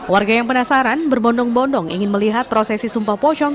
warga yang penasaran berbondong bondong ingin melihat prosesi sumpah pocong